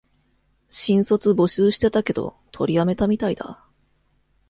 新卒募集してたけど、取りやめたみたいだ